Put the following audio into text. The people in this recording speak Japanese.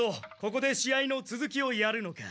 ここで試合のつづきをやるのか。